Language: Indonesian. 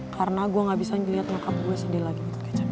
karena gue gak bisa ngeliat ngakak gue sendiri lagi gitu kecap